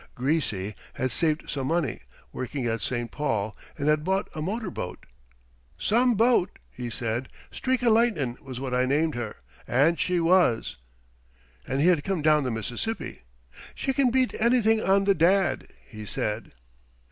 "Greasy" had saved some money, working at St. Paul, and had bought a motor boat "Some boat!" he said; "Streak o' Lightnin' was what I named her, and she was" and he had come down the Mississippi. "She can beat anything on the Dad," he said.